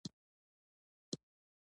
د هر وخت د صحافت مخ استعمار فعالېږي.